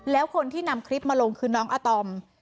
แล้วคนที่นำคลิปมาลงคือน้องอาตอม